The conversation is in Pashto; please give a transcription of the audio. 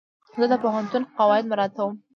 زه د پوهنتون قواعد مراعتوم.